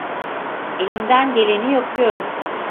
Elimden geleni yapıyorum.